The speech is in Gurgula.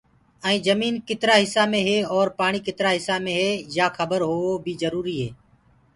ائينٚ جمينٚ ڪِترآ هسآ مي هي اورَ پآڻيٚ ڪِترآ هِسآ مي يآ کبر هووو بيٚ جروريٚ